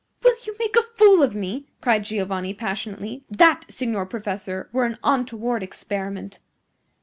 "Will you make a fool of me?" cried Giovanni, passionately. "THAT, signor professor, were an untoward experiment."